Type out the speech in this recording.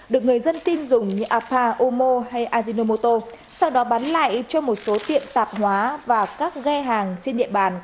được người dân tin dùng như apa ômo hay ajinomoto sau đó bán lại cho một số tiệm tạp hóa và các ghe hàng trên địa bàn